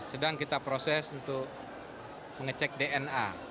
sedang kita proses untuk mengecewakan